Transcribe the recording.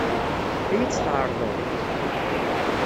Ad iyi-tt-tɛeṛḍeḍ?